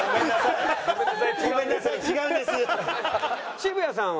渋谷さんは？